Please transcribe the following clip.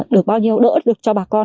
đỡ được cho bà con